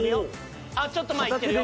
あっちょっと前いってるよ。